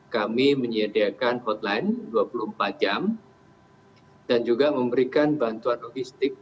kami menyediakan hotline dua puluh empat jam dan juga memberikan bantuan logistik